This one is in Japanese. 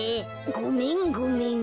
ごめんごめん。